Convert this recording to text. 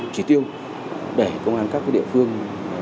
trí tiêu để công an các địa phương